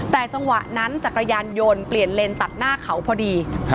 แต่จังหวะนั้นจักรยานยนต์เปลี่ยนเลนตัดหน้าเขาพอดี